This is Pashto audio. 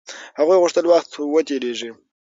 هغوی غوښتل وخت و تېريږي.